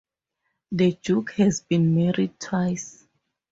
The Duke has been married twice.